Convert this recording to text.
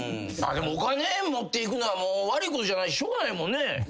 お金持っていくのは悪いことじゃないししょうがないもんね。